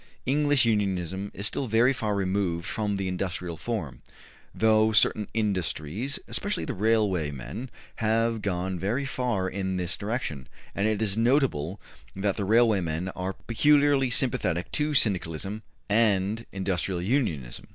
English unionism is still very far removed from the industrial form, though certain industries, especially the railway men, have gone very far in this direction, and it is notable that the railway men are peculiarly sympathetic to Syndicalism and industrial unionism.